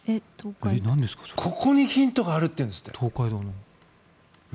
ここにヒントがあるっていうんですって。